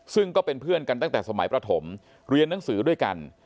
ซึ่งก็เป็นเพื่อนกันตั้งแต่สมัยประถมเรียนหนังสือด้วยกัน